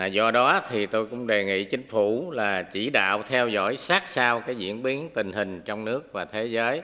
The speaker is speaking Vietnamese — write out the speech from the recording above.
do đó thì tôi cũng đề nghị chính phủ là chỉ đạo theo dõi sát sao cái diễn biến tình hình trong nước và thế giới